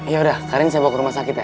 yaudah karin saya bawa ke rumah sakit ya